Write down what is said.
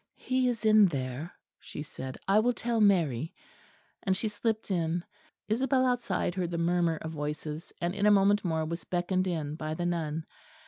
"He is in there," she said. "I will tell Mary"; and she slipped in. Isabel outside heard the murmur of voices, and in a moment more was beckoned in by the nun.